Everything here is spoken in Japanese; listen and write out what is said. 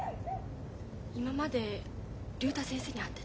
今まで竜太先生に会ってた。